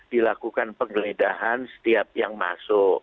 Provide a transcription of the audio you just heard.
dilakukan penggeledahan setiap yang masuk